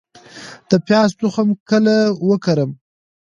د پیاز تخم کله وکرم؟